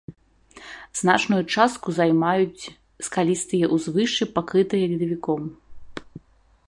Значную частку займаюць скалістыя ўзвышшы, пакрытыя ледавіком.